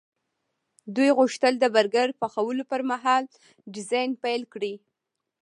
دوی غوښتل د برګر پخولو پرمهال ډیزاین پیل کړي